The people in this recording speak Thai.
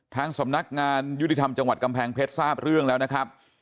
ทางสำนักงานยุติธรรมจังหวัดกำแพงเพชรทราบเรื่องแล้วนะครับ